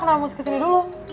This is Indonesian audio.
kenapa mau kesini dulu